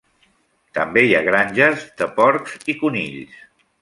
També hi ha granges de porcs i conills.